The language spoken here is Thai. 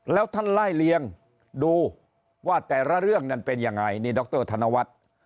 แล้วท่านไล่เลียงดูว่าแต่ละเรื่องนั้นเป็นยังไงนี่ดรธนวัฒน์